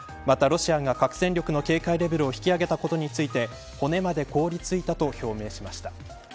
また、ロシアが核戦力の警戒レベルを引き上げたことについて骨まで凍りついたと表明しました。